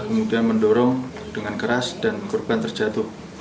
kemudian mendorong dengan keras dan korban terjatuh